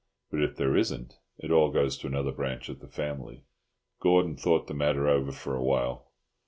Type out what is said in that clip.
But if there isn't, it all goes to another branch of the family." Gordon thought the matter over for a while.